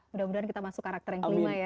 mudah mudahan kita masuk karakter yang kelima ya